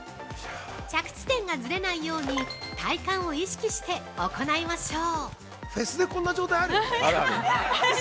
着地点がずれないように体幹を意識して行いましょう。